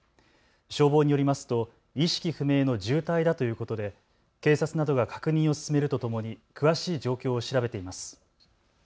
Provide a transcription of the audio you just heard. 消防によりますと意識不明の重体だということで警察などが確認を進めるとともに詳しい状況を調べています。